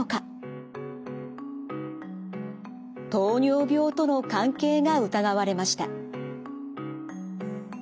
糖尿病との関係が疑われました。